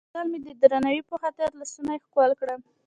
غوښتل مې د درناوي په خاطر لاسونه یې ښکل کړم.